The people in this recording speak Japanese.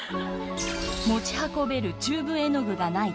持ち運べるチューブ絵の具がない